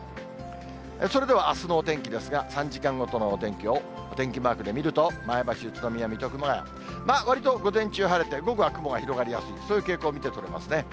それではあすのお天気ですが、３時間ごとのお天気を、お天気マークで見ると、前橋、宇都宮、水戸、熊谷、わりと午前中晴れて、午後は雲が広がりやすい、そういう傾向が見て取れますね。